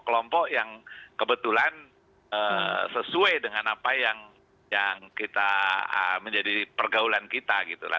kelompok yang kebetulan sesuai dengan apa yang kita menjadi pergaulan kita gitu lah